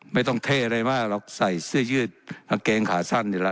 ไม่ต้องเทอะไรมากแส่เสื้อยืดนางเกงขาสั้นอย่างไรนะ